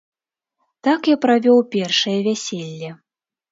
Так я правёў першае вяселле.